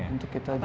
untuk kita jadi